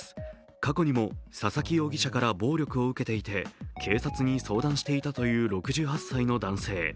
過去にも佐々木容疑者から暴力を受けていて警察に相談していたという６８歳の男性。